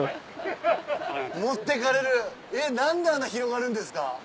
・持ってかれる。何であんな広がるんですか？